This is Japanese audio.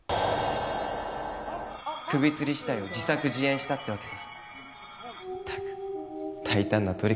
首つり死体を自作自演したってわけさ。